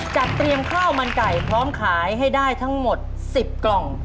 เตรียมข้าวมันไก่พร้อมขายให้ได้ทั้งหมด๑๐กล่อง